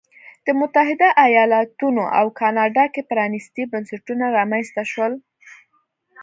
په متحده ایالتونو او کاناډا کې پرانیستي بنسټونه رامنځته شول.